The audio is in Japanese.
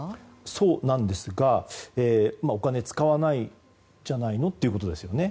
そうなんですがお金を使わないんじゃないの？ということですよね。